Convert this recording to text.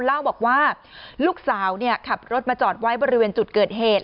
เล่าบอกว่าลูกสาวขับรถมาจอดไว้บริเวณจุดเกิดเหตุ